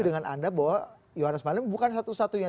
dengan anda bahwa johannes marlem bukan satu satunya